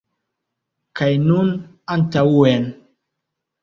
Kaj nun antaŭen!